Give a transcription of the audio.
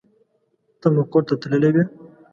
ته مقر ته تللې وې.